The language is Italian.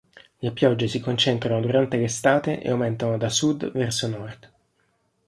Le piogge si concentrano durante l'estate e aumentano da sud verso nord.